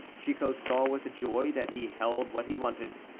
Chicot saw with joy that he held what he wanted.